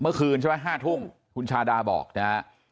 เมื่อคืนใช่ไหม๕ทุ่มคุณชาดาบอกนะฮะ